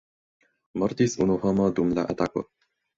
Mortis unu homo dum la atako.